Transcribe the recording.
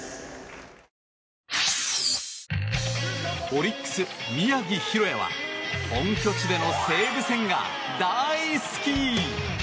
オリックス、宮城大弥は本拠地での西武戦が大好き。